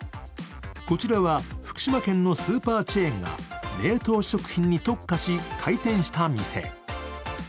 こちらは福島県のスーパーチェーンが冷凍食品に特化し、開店した店。